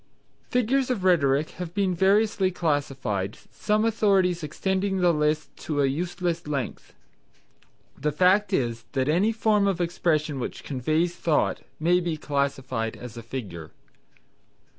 Figures of Rhetoric have been variously classified, some authorities extending the list to a useless length. The fact is that any form of expression which conveys thought may be classified as a Figure.